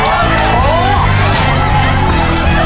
อุ้มวิ่ง